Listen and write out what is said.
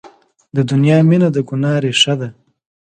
د دنیا مینه د ګناه ریښه ده.